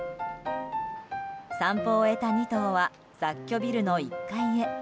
散歩を終えた２頭は雑居ビルの１階へ。